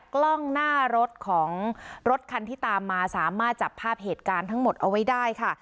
กล้องหน้ารถของรถคันที่ตามมาสามารถจับภาพเหตุการณ์ทั้งหมดเอาไว้ได้ค่ะ